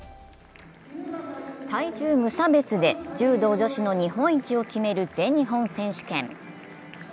体重無差別で柔道女子の日本一を決める全日本選手権。